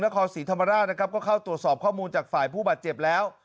นครศรีธรรมราชนะครับก็เข้าตรวจสอบข้อมูลจากฝ่ายผู้บาดเจ็บแล้ว